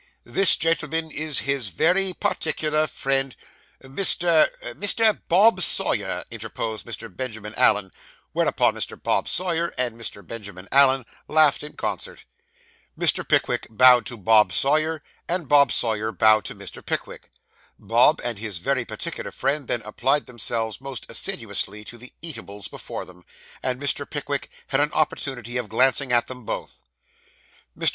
This gentleman is his very particular friend, Mr. ' 'Mr. Bob Sawyer,' interposed Mr. Benjamin Allen; whereupon Mr. Bob Sawyer and Mr. Benjamin Allen laughed in concert. Mr. Pickwick bowed to Bob Sawyer, and Bob Sawyer bowed to Mr. Pickwick. Bob and his very particular friend then applied themselves most assiduously to the eatables before them; and Mr. Pickwick had an opportunity of glancing at them both. Mr.